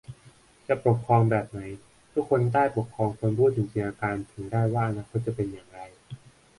จะปกครองแบบไหน ทุกคนใต้ปกครองควรพูดถึงจินตนาการถึงได้ว่าอนาคตจะเป็นอย่างไร